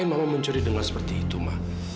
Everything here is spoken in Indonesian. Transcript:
kenapa mama mencuri dengan seperti itu ma